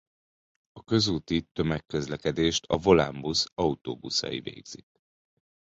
A közúti tömegközlekedést a Volánbusz autóbuszai végzik.